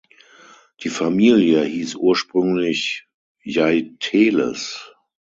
Die Familie hieß ursprünglich Jeitteles.